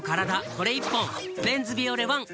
これ１本「メンズビオレＯＮＥ」